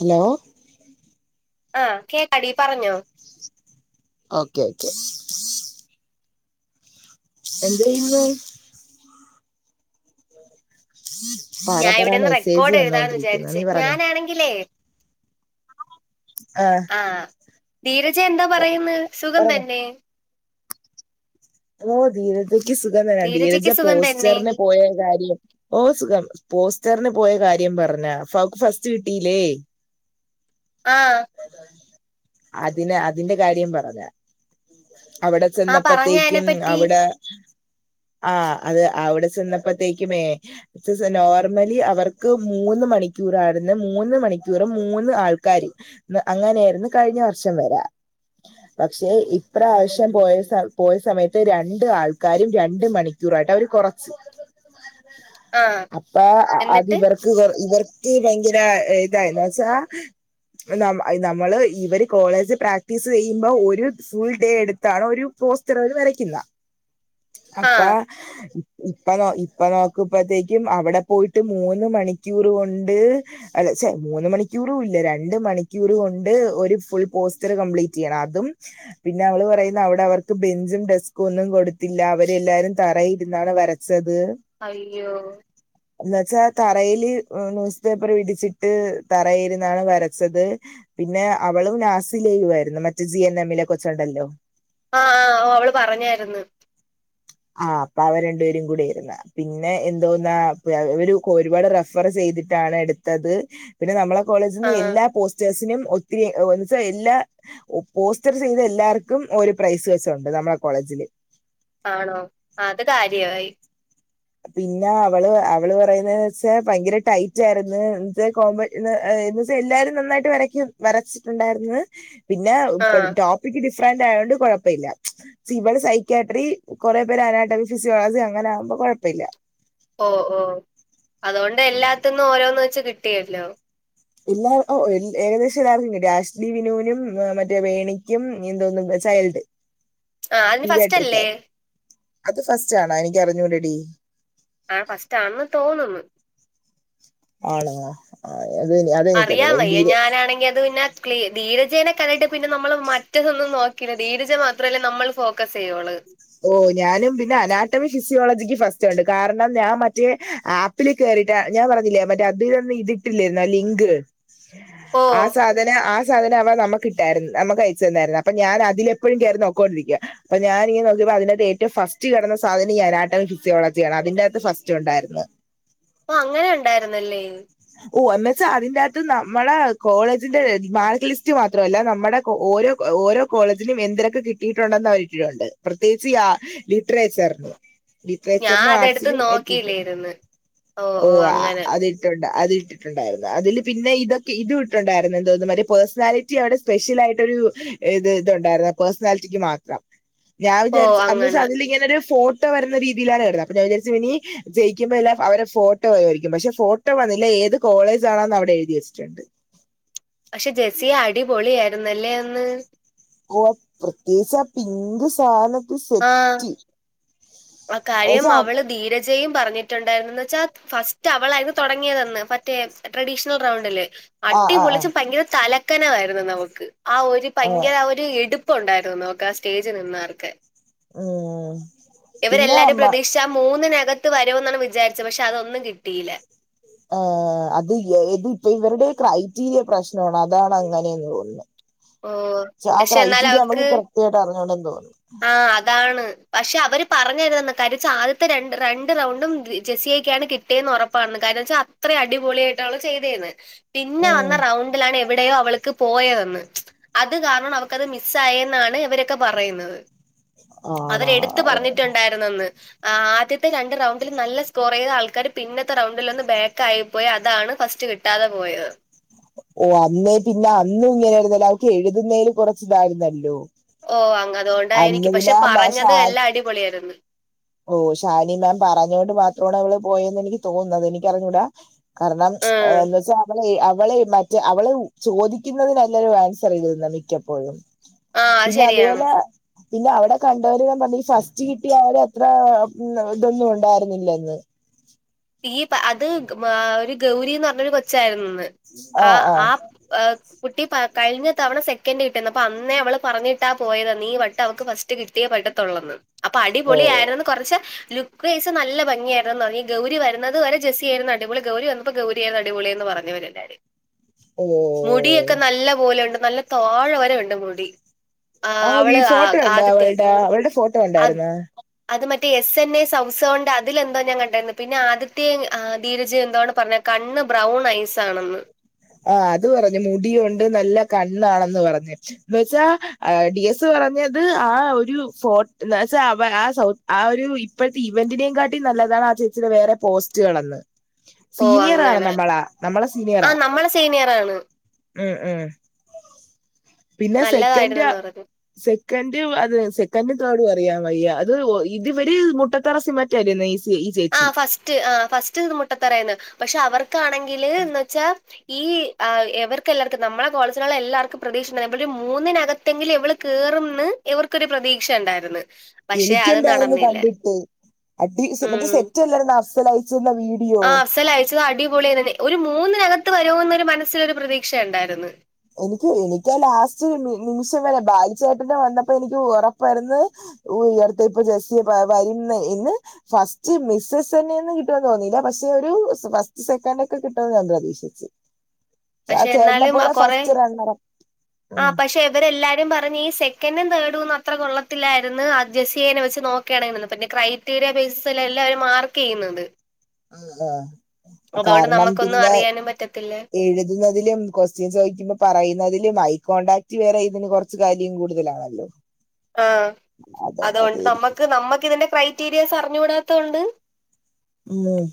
Hello ആഹ് കേക്കാടി പറഞ്ഞോ ഓക്കേ ഓക്കേ എന്തേയ്ന്ന് പറ ഞാൻ പറ മെസ്സേജ് വന്നോണ്ടിരിക്ക്ന്ന് നീ പറഞ്ഞോ. ആണെങ്കിലേ ആഹ് ആഹ് ധീരജ് എന്താ പറയുന്ന് സുഖം പറഞ്ഞോ തന്നെ ഓ ധീരജയ്ക്ക് സുഖം തന്നെ ധീരജ ധീരജയ്ക്ക് സുഖം തന്നെ പോസ്റ്ററ്ന് പോയ കാര്യം ഓ സുഖം പോസ്റ്റർന് പോയ കാര്യം പറഞ്ഞ ഫ ഫസ്റ്റ് കിട്ടീല്ലേ ആഹ് അതിന് അതിന്റെ കാര്യം പറഞ്ഞ അവിടെ ആ പറഞ്ഞെ ചെന്നപ്പത്തേക്യും അയിനെപ്പറ്റി അവ്ടെ ആ അത് അവ്ടെ ചെന്നപ്പത്തേക്കുമേ ചെസ നോർമലി അവർക്ക് മൂന്ന് മണിക്യൂറായിര്ന്ന് മൂന്ന് മണിക്യൂറും മൂന്ന് ആൾക്കാര് മ് അങ്ങനെര്ന്നു കഴിഞ്ഞ വർഷം വരെ പക്ഷെ ഇപ്രാവശ്യം പോയ സൽ പോയ സമയത്ത് രണ്ട് ആൾക്കാരും രണ്ട് മണി ക്യൂറായിട്ട് അവര് കൊറച്ച് ആഹ് അപ്പ അ എന്നിട്ട് അതിവർ ക്ക് വർ ഇവർക്ക് ഭയങ്കര ഇതായി ന്ന സാ നമ്മ നമ്മള് ഇവര് കോളേജ് പ്രാക്ടീസ് യ്മ്പോ ഒര് ഫുൾ ഡേ എടുത്താണ് ഒരു പോസ്റ്ററേര് വരക്യുക അപ്പാ ആഹ് ഇപ്പ ഇപ്പ നോ ഇപ്പ നോക്കുമ്പത്തേക്യും അവ്ടെ പോയിട്ട് മൂന്ന് മണിക്കൂർ കൊണ്ട് അല്ല സെ മൂന്ന് മണിക്യൂറുല്ല രണ്ട് മണി ക്യൂറ്കൊണ്ട് ഒരു ഫുൾ പോസ്റ്റർ കംപ്ലീറ്റീയണഅതും പിന്നെ അവള് പറയുന്ന അവ്ടെ അവർക്ക് ബെഞ്ചും ഡെസ്കൊന്നും കൊടുത്തില്ല അവരെല്ലാരും തറയി ര്ന്നാണ് വര ച്ചത്. അയ്യോ എന്നച്ചാ തറയില് ന്യൂസ് പേപ്പർ വിരിച്ചിട്ട് തറേ ഇരിന്നാണ് വരച്ചത് പിന്നെ അവളും നാസിലേയും ആയിരുന്നു മറ്റേ ജി എൻ എമ്മിലെ കൊച്ചുണ്ടല്ലോ. ആഹ് ആഹ് അവള് പറഞ്ഞായിരുന്നു. ആഹ് അപ്പൊ അവ രണ്ടുപേരും കൂടി ഇരുന്നാ പിന്നെ എന്തോന്നാ പ്പോ അവര് ഒരുപാട് റഫർ ചെയ്തിട്ടാണ് എടു ത്തത് പിന്നെ നമ്മളെ കോളേജ്ന്ന് ആഹ് എല്ലാ പോസ്റ്റേഴ്സിനും ഒത്തിരി എന്നച്ചാ എല്ലാ പോസ്റ്റർ ചെയ്ത എല്ലാർക്കും ഒരു പ്രൈസ് വെച്ചുണ്ട് നമ്മളെ കോളേജില്. ആണോ അത് കാര്യായി പിന്നെ അവള് അവള് പറയുന്നവെച്ചാ ഭയങ്കര ടൈറ്റ് ആയിരുന്നു എന്ത് കോബ എന്ന് വെച്ചാ എല്ലാരും നന്നായിട്ട് വരക്കും വരച്ചിട്ടുണ്ടായിരുന്നു പിന്നെ ആഹ് ഡോ പിക് ഡിഫ്രന്റ് ആയോണ്ട് കുഴപ്പയില്ല സ് ഇവള് സൈക്കയാട്രി കുറേ പേര് അനാറ്റമി ഫിസിയോളജി അങ്ങനെ ആകുമ്പോ കുഴപ്പയില്ല ഓഹ് ഓഹ് അതോണ്ട് എല്ലാത്തിന്ന് ഓരോന്ന് വെച്ച് കിട്ടിയല്ലോ എല്ലാ ഓഹ് ഏകദേശം എല്ലാർക്കും കിട്ടി അഷ്ലിനൂനും മറ്റേ വേണിക്യും എന്തോന്ന് ചൈൽഡ് ആഹ് അതിന് ഫസ്റ്റ് പീടിയാട്രിക്ക് അല്ലേ അത് ഫസ്റ്റ് ആളാ എനിക്കറിഞ്ഞൂടടി ആഹ് ഫസ്റ്റ് ആന്ന് തോന്നുന്ന് ആണോ അത് അതന്നെ അറിയാവയ്യ ഞാനാണെങ്കി അത് പിന്നെ ക്ലീ ധീരജേന കണ്ടിട്ട് പിന്നെ നമ്മള് മറ്റതൊന്നും നോക്കില ധീരജ മാത്രല്ലേ നമ്മൾ ഫോക്കസ് ചെയ്യോള്ള് ഓ ഞാനും പിന്നെ അനാറ്റമി ഫിസിയോളജിക്ക് ഫസ്റ്റ് ഉണ്ട് കാരണം ഞാൻ മറ്റേ ആപ് പ്പിൽ കേറില്ല ഞാൻ പറഞ്ഞില്ലേ മറ്റേ അതിനൊന്നു ഇതിട്ടില്ലായിരുന്നോ ലിങ്ക് ഓ ആ സാ ആ സാധനം അവ നമുകിട്ടായിരുന്നു നമുക്ക് അയിച്ചന്നായിരുന്നു അപ്പൊ ഞാനതിലപ്പെഴും കയറി നോക്കോണ്ടിരിക്യ അപ്പൊ ഞാനിങ്ങനെ നൊ പ്പ അതിനാത്ത് ഏറ്റവും ഫസ്റ്റ് കെടന്ന സാധനം ഈ അനാറ്റമി ഫിസിയോജിയാണ് അതിന്റാത്ത് ഫസ്റ്റ് ഉണ്ടായിരുന്നത് പ്പ അങ്ങനെ ഉണ്ടായിരുന്നല്ലേ ഓ എന്ന് വെച്ചാ അതിന്റാത്ത് നമ്മളെ കോളേജിന്റെ മാർക്ക് ലിസ്റ്റ് മാത്രല്ല നമ്മടെ ഓരോ ഓരോ കോളേജിനും എന്തിനൊക്കെ കിട്ടിട്ടുണ്ടെന്ന് അവരിട്ടിട്ടുണ്ട് പ്രത്യേയിച്ച് ആ ലിറ്റ്റേച്ചർന് ഞാൻ ലിറ്റ്ട്രേച്ചർന് അതെടുത്ത് ആഡ്സില് എത്തിട്ട് നോക്കിയില്ലേരുന്ന് ഓ അതിട്ടൊണ്ട അതിട്ട് ണ്ടായിരുന്നു അതില് പിന്നെ ഇതൊക്കെ ഇത് ഇട്ട്ണ്ടായിരുന്നു എന്തോന്ന് മ പേഴ്സണാലിറ്റി അവിടെ സ്പെഷലായിട്ടൊരു ഏത് ഇതുണ്ടായിരുന്നു പേഴ്സണാലിറ്റിക്ക് മാത്രം ഞാൻ ഓ വിചാരിച്ച് അന്ന് അങ്ങനെ അതില് ഇങ്ങനെ ഒരു ഫോട്ടോ വരുന്ന രീതിയിലാണ് കെടന്ന അപ്പൊ ഞാ വിചാരിച്ച് ഇനി ജയിക്കുമ്പോല്ലാ അവരെ ഫോട്ടോവരുയിരിക്കും പക്ഷെ ഫോട്ടോ വന്നില്ല ഏത് കോളേജാണെന്ന് അവിടെ എഴുതി വെച്ചിട്ടുണ്ട് പക്ഷെ ജെസ്സിയ അടിപൊളിയായിരുന്നല്ലേ അന്ന് ഓ പ്രത്യേച്ച് ആ പിങ്ക് സാനത്തിൽ ആഹ് സെറ്റ് ആ കാര്യം എന്നുവെച്ചാ അവള് ധീരജയും പറഞ്ഞിട്ടുണ്ടായിരുന്ന ന്ന് വെച്ചാ ഫസ് റ്റ് അവളായിരുന്നു തൊടങ്ങിയതെന്ന് മറ്റേ ട്രഡീഷണൽ റൗണ്ടില് ആ ആ ആ അടിപൊളിച്ച് ഭയങ്കര തല ക്കനായിരുന്നു നമുക്ക് ആ ഒരു ഭയങ്കര ആ ഒരു എടുപ്പുണ്ടായിരുന്നു നമുക്കാ ആ സ്റ്റേജിൽ നിന്നവർക്ക് ഓഹ് ഇവരെല്ലാരും പ്രതീക്ഷ ആ മൂന്നിനകത്ത് വരൂന്നാണ് വിചാരിച്ചത് പക്ഷെ അതൊന്നും കിട്ടിയില ആ അത് ഇത് ഇപ്പ ഇവരുടെ ക്രൈറ്റീരിയ പ്രശ്നാണ് അതാണ് അങ്ങനെയന്ന് തോന്നുന്ന് ഓ ക്ഷെ ആ പക്ഷെ എന്നാൽ ക്രൈറ്റീരിയ അവർക്ക് നമ്മക്ക് കൃത്യായിട്ട് അറിഞ്ഞൂടന്ന് തോന്നുന്നു ആ അതാണ് പക്ഷെ അവര് പറഞ്ഞരുതെന്ന് കാരിച്ച ആദ്യത്തെ രണ്ട് രണ്ട് റൗണ്ടും ജസിയക്കാണ് കി ട്ടിയന്ന് ഉറപ്പാണ് കാരണച്ചാൽ അത്രയും അടിപൊളിയായിട്ടാ അവള് ചെയ്തെന്ന് പിന്നെ വന്ന ഉം റൗണ്ട് ലാണ് എവിടെയോ അവൾക്ക് പോയതെന്ന് അത് കാരണം അവക്കത് മിസ് ആയെന്നാണ് ഇവരൊക്കെ പറയുന്നത് അവരെടുത്ത് ആണോ പറഞ്ഞിട്ടുണ്ടായിരുന്നന്ന് ആഹ് ആദ്യത്തെ രണ്ട് റൌണ്ടിൽ നല്ല സ്കോറൈത് ആൾക്കാര് പിന്നത്തെ റൗണ്ടിലൊന്ന് ബാക്ക് ആയിപ്പോയ അതാണ് ഫസ്റ്റ് കിട്ട കിട്ടാതെ പോയത് ഓ അന്നേ പിന്നെ അന്നും ഇങ്ങനെയായിരുന്നല്ല അവക്ക് എഴുതുന്നേല് കുറച്ച് ഇതായിരുന്നല്ലോ ഓ അങ്ങ് അതോണ്ടായിരിക്കും പക്ഷെ മാ ഷാ പറഞ്ഞത് എല്ലാം അടിപൊളിയായിരുന്നു ഓ ഷാനി മാം പറഞ്ഞോൊണ്ട് മാത്രമാണ് അവള് പോയന്ന് എനിക്ക് തോന്നുന്നത് എനിക്കറിഞ്ഞൂടാ കാരണം ഉം എന്നുസാ വളേ അവളെ മറ്റ അവള് ചോദിക്കുന്നുന്നതിനല്ലല്ലൊരു ആൻസർ എഴുതിയതന്ന മിക്കപ്പോഴും ആ അത് പിന്നെ ശരിയാണ് അതുപോലെ പിന്നെ അവിടെ കണ്ടവര് പറ്ഞ് ഫസ്റ്റ് കിട്ടിയ അവരെ അ ത്ര ഇതൊന്നും ഉണ്ടായിരുന്നില്ലന്ന് ഈ അത് ഒരു ഗൗരിന്ന് പറഞ്ഞരു കൊച്ചായിരുന്നുന്ന് ആ ആഹ് ആ ആഹ് ആഹ് കുട്ടി പ കഴിഞ്ഞ തവണ സെക്കൻഡ് കിട്ടിന്ന് പ്പ അന്നേ അവള് പറഞ്ഞിട്ടാ പോയതന്ന് നീ വട്ട് അവക്ക് ഫസ് കിട്ടിയ പറ്റാത്തോളുന്ന് അപ്പൊ ഓ അടിപൊളിയായിരുന്നു കുറച്ച് ലുക്ക്ഴസ് നല്ല ഭംഗിയ ആയിരുന്നു ഈ ഗൗ രി വരുന്നത് വരെ ജെസ്സി ആയിരുന്നു അടിപൊളി ഗൗരി വന്നപ്പോ ഗൗരി ആയിരുന്നു അടിപൊളി എന്ന് പറഞ്ഞ് ഇവരെല്ലാരും ഓ മുടിയൊക്കെ നല്ല പോലെ ഇണ്ട് നല്ല താഴെ വരെ ഉണ്ട് മുടി ആ് ഈ അവള് ആ ഫോട്ടോ ഉണ്ടോ ആദ്യത്തെ അവളുടെ അവളുടെ ഫോട്ടോ അത് ഉണ്ടായിരുന്നോ അത് മറ്റേ എസ് എൻ എ സം സ്സോണ്ട് അതിലെന്തോ ഞാൻ കണ്ടായിരുന്നു. പിന്നെ ആദ്യത്തെ ധീരജ് എന്താണ് പറഞ്ഞെ കണ്ണ് ബ്രൗൺ ഐസ് ആണെന്ന് ആ അത് പറഞ് മുടി ഉണ്ട് നല്ല കണ്ണാണെന്ന് പറഞ് എന്നുവെച്ചാ ഡി എസ് പറഞ്ഞത് ആ ഒരു ഫോർട്ട് എന്നുവെച്ചാ അവ ആ സൗത്ത് ആ ഒരു ഇപ്പോഴത്തെ ഇവന്റനെകാട്ടി നല്ലതാണ് ആ ചേച്ചിന്റെ വേറെ പോസ്റ്റുകളെന്ന് ഓ സീനിയാറാണ് നമ്മളാ നമ്മളെ സീനിയറാ സീനിയറാണ് ഉം ഉം പിന്നെ സെക്കൻഡ് നല്ലതായിരുന്നെന്ന് പറഞ്ഞു സെക്കൻഡ് അത് സെക്കൻഡും തേർഡും അറിയാം വയ്യ അത് ഇത് ഇവര് മുട്ടത്തറ സിമ ഈ ആ ചേച്ചി ഫസ്റ്റ് ആ ഫസ്റ്റ് മുട്ടത്തെറയാണ് പക്ഷെ അവർക്കാണെങ്കില് എന്ന് വെച്ചാ ഈ യെവർക്കു എല്ലാവർക്കും നമ്മെ കോളേജ്ലുള്ള എല്ലാവർക്കും പ്രതീക്ഷയിണ്ടായിരുന്നു ഒരു മൂന്നിനകത്ത് ട്ടങ്കിലേ ഇവള് കേറുംന്ന് ഇവർക്കൊരു പ്രതീക്ഷണ്ടാര്ന്ന് എനിക്കുണ്ടായിരുന്നു കണ്ടിട്ട് അടി മറ്റേ സെറ്റ്ല്ലായിരുന്നു അഫ്സൽ അയചെന്നാ വീഡി ആ് അഫ്സൽ അയച്ചത് അടിപൊളിയെന്ന് ഒരു മൂന്നിനകത്ത് വരുമെന്നൊരു മനസ്സിലൊരു പ്രതീക്ഷയ ഉണ്ടായിരുന്നു എനിക്ക് എനിക്കാ ലാസ്റ്റ് നിമിഷം വരെ ബാല ചേട്ടന്റെ വന്നപ്പോ എനിക്ക് ഉറപ്പായിരുന്ന് ഓ ഇടത്തെ ഇപ്പൊ ജസി വൈന്നെ ഇന്ന് ഫസ്റ്റ് മിസ്സസ് തന്നെയെന്ന് കിട്ടുമെന്ന് തോന്നിയില്ല പക്ഷെ ഒരു ഫസ്റ്റ് സെക്കന്റോകെ കിട്ടുമെന്ന് ഞാൻ പ്രതീക്ഷിച്ച് പക്ഷെ എന്നാലും കൊറെ ഫസ്റ്റ് റണ്ണർ ആ ഉം പക്ഷെ ഇവരെല്ലാവരും പറഞ്ഞ് ഈ സെക്കൻും തേർഡും അത്ര കൊള്ളത്തിലായിരുന്നു ആ ജെസ്സിയനെ വെച്ച് നോക്കാണെകിൽ പിന്നെ ക്രൈം അക്ടീരിയ ബേസിലാ എല്ലാവരും മാർക്ക് ചെയ്യുന്നത് ആ ആഹ അതുകൊണ്ട് കാരണം നമുക്കൊന്നും പിന്നെ അറിയാനും പറ്റത്തില്ല എഴു എഴുതുന്നതിലും കുഎസ്ടിഒന് ചോയിക്കുമ്പോ പറയുന്നതിലും ഐ കോണ്ടാക്ട് വേറെ ഇതിന് കുറച്ചു കാര്യം കൂടുതലാണല്ലോ ആ അതുകൊണ്ടൊക്കെ അതുകൊണ്ട് ആയിരിക്കും നമ്മുക്ക് നമ്മക്ക് ഇതിന്റെ ക്രൈറ്റീരിയാസ് അറിഞ്ഞു കൂടാതോണ്ട് ഉം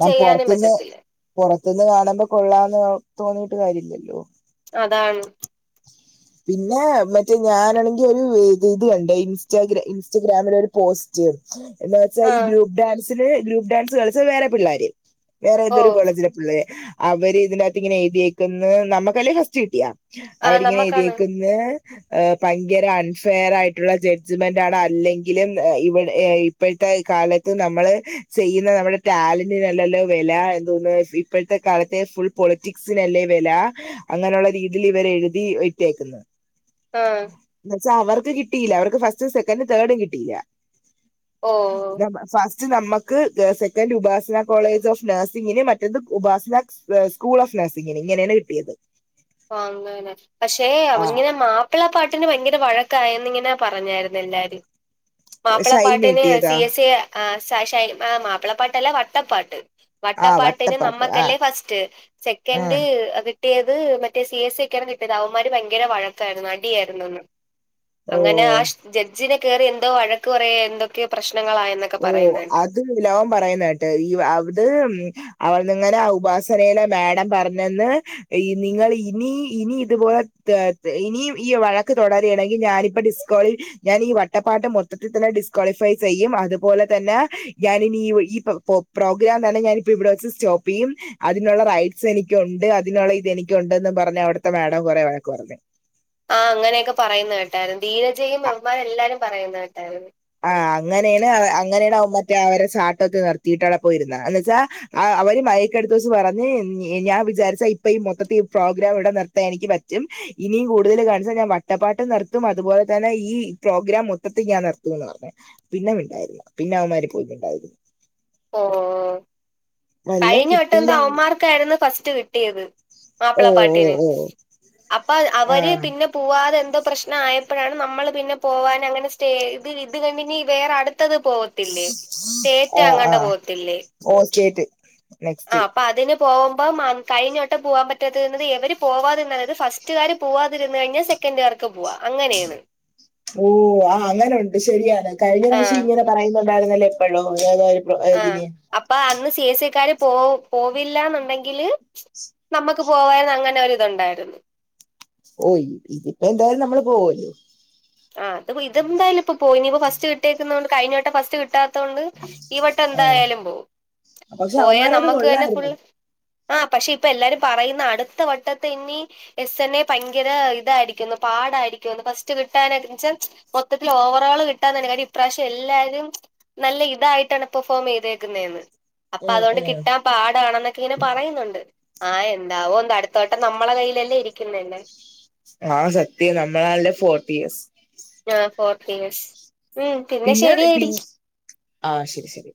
ഞാൻ ചെയ്യാനും പൊറത്ത്ന്ന് പറ്റത്തില്ല പൊറത്ത്ന്ന് കാണുമ്പോ കൊള്ളാന്ന് തോന്നീയിട്ട് കാര്യല്ലല്ലോ അതാണ് പിന്നെ മറ്റേ ഞാനാണെങ്കി ഒരു ഇത് കണ്ട് ഇൻസ്റ്റാഗ്ര ഇൻസ്റ്റാഗ്രാമിലെ ഒരു പോസ്റ്റ് എന്നാ വെച്ചാൽ ആ ഈ ഗ്രൂപ്പ് ഡാൻസിൽ ഗ്രൂപ്പ് ഡാൻസ് കളിച്ചാ വേറെ പിള്ളോര് വേറെ ഓ ഏതൊരു കോളേജിലെ പിള്ളേ അവര് ഇതിനകത്ത് ഇങ്ങനെ എഴുതിയെക്ക്ന്ന് നമ്മുക്കല്ലേ ഫസ്റ്റ് കിട്ടിയാ ആ അവരിങ്ങനെ നമ്മക്കാണ് എഴുതിയെക്ക്ന്ന് ഭയങ്കര അൺഫെയർ ആയിട്ടുള്ള ജഡ്ജ്മെന്റാണ് അല്ലെങ്കിലും ഇവിടെ. ഇപ്പോഴത്തെ കാലത്ത് നമ്മള് ചെയ്യുന്ന നമ്മുടെ ടാലന്റിനല്ലല്ലോ വില എന്തോന്നു ഇപ്പോഴത്തെ കാലത്തെ ഫുൾ പൊളിറ്റിക്സ്സ്നല്ലേ വില അങ്ങനെയുള്ള രീതിയിൽ ഇവരെഴു എഴുത്തിവിട്ടേക്കുന്നു ആഹ എന്നുവെച്ചാ അവർക്ക് കിട്ടിയില്ല അവർക്ക് ഫസ്റ്റും സെക്കൻഡും തേർഡും കിട്ടിയില്ല ഓ ഫസ്റ്റ് നമ്മക്ക് ഏഹ് സെക്കന്റ്‌ ഉപാസിന കോളേജ് ഓഫ് നേഴ്സിംഗിന് മറ്റത് ഉപാസിന ഏഹ് സ്കൂൾ ഓഫ് നഴ്സിങ്ങിന് ഇങ്ങനേണ് കിട്ടിയത് അങ്ങനെ പക്ഷെ ആ അത്ങ്ങനെ മാ മാപ്പിളാ പാട്ടിന് ഭയങ്കര വഴക്കായെന്ന് ഇങ്ങനെ പറഞ്ഞായിരുന്നെല്ലാരും. ഷൈന് മാപ്പിളപാട്ട്ന് കിട്ടിയതാ സി എസ് എ ആഹ് സാഷായണി ആഹ് മാപ്പിളപ്പാട്ട് അല്ല വട്ടപ്പാട്ട് ആ വട്ടപ്പാട്ടിന് വട്ടപ്പാട്ട് ആ നമ്മക്കല്ലേ ഫസ്റ്റ് ആ സെക്കൻഡ് അത് കിട്ടിയത് മ മറ്റേ സി എ സി ക്കാ കിട്ടിയത് അവന്മാര് ഭയങ്കര വഴക്കായിരുന്നു അടിയായിരുന്നു ഇന്ന്. അങ്ങനെ ഓ ആശ് ജഡ്ജിനെ കേറി എന്തോ വഴക്ക് പറയോ എന്തൊക്കെ പ്രശ്നങ്ങളായന്നൊ ഓഹ് അത് ലവൻ പറയുന്ന കേട്ട് ഈ അവ് അത് അവട്ന്ന്ങ്ങനെ ആ ഉപാസനയിലെ മേഡം പറഞ്ഞെന്ന് ഈ നിങ്ങൾ ഇനി ഇനി ഇതുപോലെ ത്ത ഇനിയും ഈ വഴക്ക് തുടരേണെങ്കിൽ ഞാനിപ്പ ഡിസ് ക്വാളി ഞാൻ ഈ വട്ടപ്പാട്ട് മൊത്തത്തിൽ തന്നെ ഡിസ്ക്വാളിഫൈ ചെയ്യും. അത് തുപോലെ തന്നെ ഞാനിനി ഈ വ ഈ പ പ്രൊ പ്രോഗ്രാം തന്നെ ഞാനിപ്പ ഇവിടെ വച്ച് സ്റ്റോപ്പയ്യും അതിനുള്ള റൈറ്റ്സ് എനിക്കുണ്ട് അതിനുള്ള ഇതെനിക്കുണ്ടെന്നും പറഞ്ഞ് അവിടുത്തെ മേഡം കൊറേ വഴക്ക് പറഞ്ഞ്. ആഹ് അങ്ങനെയൊക്കെ പറയുന്ന കേട്ടായിരുന്നു ധീരജയും ഇവന്മാരെല്ലാരും പറയുന്ന കേട്ടായിരുന്നു. ആഹ് അങ്ങനേണ് അങ്ങനേണ് അവൻ മറ്റേ അവരെ ചാട്ടൊക്കെ നിർത്തിയിട്ടവിടെ പോയിരുന്ന. എന്ന് വെച്ചാ ആ അവര് മൈക്കെട്ത്ത് വച്ച് പറഞ്ഞ് ഞാൻ വിചാരിച്ച ഇപ്പ ഈ മൊത്തത്തി ഈ പ്രോഗ്രാം ഇവിടെ നിർത്താൻ എനിക്ക് പറ്റും. ഇനിയും കൂടുതൽ കാണിച്ചാ ഞാൻ വട്ടപ്പാട്ട് നിർത്തും അതുപോലെ തന്നെ ഈ പ്രോഗ്രാം മൊത്തത്തി ഞാൻ നിർ ത്തൂന്നാ പറഞ്ഞെ. പിന്നെ മിണ്ടായിരുന്ന് പിന്നെ അവന്മാര് പോയി മിണ്ടാതിരുന്നു. ഓഹ് വല്ലോം കഴിഞ്ഞ വട്ടം എന്താ കിട്ടിയില്ലെങ്കി അവന്മാർ ക്കായിരുന്നു ഫസ്റ്റ് കിട്ടിയത് ഓ ഓ മാപ്പിളപ്പാട്ടിന്. ഓ അപ്പ അ അവര് ആഹ് പിന്ന പോവാതെന്തോ പ്രശ്നായപ്പഴാണ് നമ്മൾ പിന്നെ പോവാൻ അങ്ങനെ സ്റ്റേ ഇത് ഇത് കണ്ടിന്യൂ വേറെ അടുത്തത് പോവ ട്ടില്ലേ. ആഹ് സ്റ്റേറ്റങ്ങാണ്ട് ആഹ് പോവത്തില്ലെ ഓ സ്റ്റേറ്റ് നെക്സ്റ്റ് ആഹ് അപ്പതിന് പോവുമ്പം മ കഴിഞ്ഞവട്ടം പോവാൻ പറ്റാതിരുന്നത് എവര് പോവാതിര്ന്നാലത് ഫസ്റ്റുകാര് പോവാതിര്ന്ന് കഴിഞ്ഞാ സെ ക്കൻ്റ്കാർക്ക് പോവാ അങ്ങനെ ഓഹ്. ആഹ് അങ്ങനൊണ്ട് ശരിയാണ് കഴിഞ്ഞ പ്രാവശ്യം ആഹ് ഇങ്ങനെ പറയുന്നുണ്ടായിരുന്നില്ലെ എപ്പഴോ [unintelligible] ആഹ് ഇതിന് അപ്പൊ അന്ന് സി എ സി ക്കാര് പോവ് പോവില്ലാന്നുണ്ടെങ്കില് നമ്മക്ക് പോവാർന്ന് അങ്ങനെ ഒരിതുണ്ടായിരുന്നു. ഓഹ് ഇതിപ്പ എന്തായാലും നമ്മള് പോവല്ലേ. ആഹ് അത് ഇതെന്തായാലും ഇപ്പോ പോവും. ഇനിപ്പോ ഫസ്റ്റ് കിട്ടിയേക്കുന്നോണ്ട് കഴിഞ്ഞ വട്ടം ഫസ്റ്റ് കിട്ടാ ത്തൊണ്ട് ഈ വട്ടം ആഹ് എന്തായാലും പോവും. പക്ഷെ പോയാ അവന്മാരത് നമ്മക്ക് തന്നെ കൊള്ളായിരുന്നു ഫുള്ള് ആഹ് പക്ഷെ ഇപ്പ എല്ലാരും പറയുന്ന അടുത്ത വട്ടത്തി ഇനി എസ് എ ന്നെ ഭയങ്കര ഇതായിരിക്കുംന്നു പാടായിരിക്കുംന്നു ഫസ്റ്റ് കി കിട്ടാന് ന്ന് വെച്ച മൊത്തത്തിൽ ഓവറോള് കിട്ടാൻ തന്നെ കാര്യം ഇപ്രാവശ്യം എല്ലാരും നല്ല ഇതായിട്ടാണ് പെർഫോം ചെയ്തേക്കുന്നേന്ന് അപ്പൊ ഉം അതുകൊണ്ട് ഉം കിട്ടാൻ പാടാണെന്നൊക്കെ ഇങ്ങനെ പറയുന്നുണ്ട്. ആഹ് എന്താവും എന്താ അടുത്തവട്ടം നമ്മളെ കയ്യിലല്ലേ ഇരിക്കുന്നേ ന്നെ. ആഹ് സത്യം നമ്മളാളുടെ ഫോർട്ടിയേസ് ആഹ് ഫോർട്ടിയേസ് പിന്നെ പിന് ആഹ് ശരി ശരി